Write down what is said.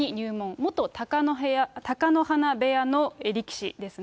元貴乃花部屋の力士ですね。